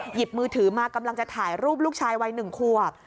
หยิบมือถือมากำลังจะถ่ายรูปลูกชายวัย๑ขวบ